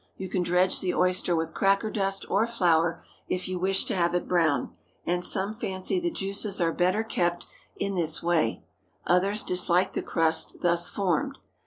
You can dredge the oyster with cracker dust or flour if you wish to have it brown, and some fancy the juices are better kept in in this way. Others dislike the crust thus formed.